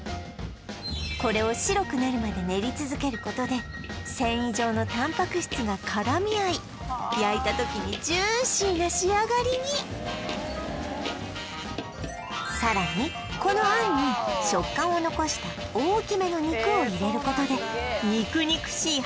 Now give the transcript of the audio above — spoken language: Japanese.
これを白くなるまで練り続けることで繊維状のタンパク質が絡み合い焼いた時にジューシーな仕上がりにさらにこの餡に食感を残した大きめの肉を入れることで肉肉しい